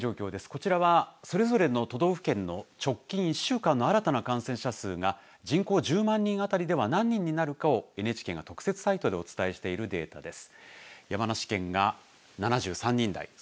こちらはそれぞれの都道府県の直近１週間の新たな感染者数が人口１０万人当たりでは何人になるかをＮＨＫが特設サイトでお伝えしているデータです。